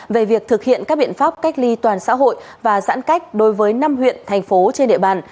về việc thực hiện các biện pháp cách ly toàn xã hội và giãn cách đối với năm huyện thành phố trên địa bàn